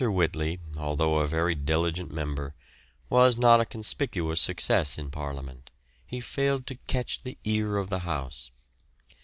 Whitley, although a very diligent member, was not a conspicuous success in Parliament; he failed to catch the ear of the House.